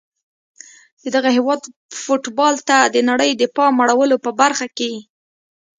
د دغه هیواد فوټبال ته د نړۍ د پام اړولو په برخه کي